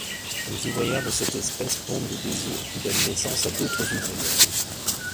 Les ouvrières de cette espèce pondent des œufs qui donnent naissance à d'autres ouvrières.